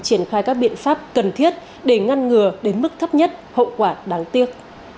triển khai các biện pháp cần thiết để ngăn ngừa đến mức thấp nhất hậu quả đáng tiếc